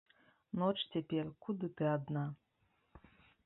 Ноч цяпер, куды ты адна?